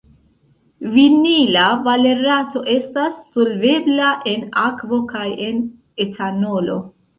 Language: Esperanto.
Vinila valerato estas solvebla en akvo kaj en etanolo.